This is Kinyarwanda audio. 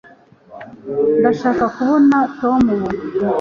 ndashaka kubona tom ubu